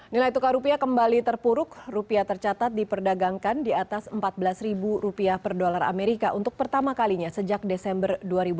nilai tukar rupiah kembali terpuruk rupiah tercatat diperdagangkan di atas empat belas rupiah per dolar amerika untuk pertama kalinya sejak desember dua ribu enam belas